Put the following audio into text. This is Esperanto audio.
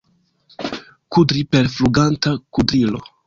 Kudri per fluganta kudrilo.